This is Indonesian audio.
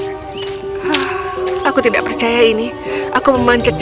dan sekarang aku harus menyeret diriku ke istana dengan memanjat diriku